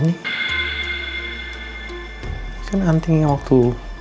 ini kan anting yang waktu